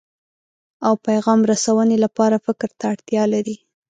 او پیغام رسونې لپاره فکر ته اړتیا لري.